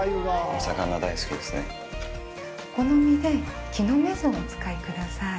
お好みで木の芽酢をお使いください。